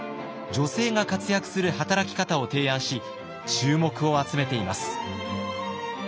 女性が活躍する働き方を提案し注目を集めています。